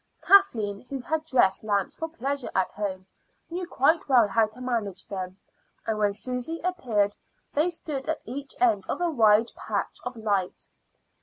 Kathleen, who had dressed lamps for pleasure at home, knew quite well how to manage them, and when Susy appeared they stood at each end of a wide patch of light.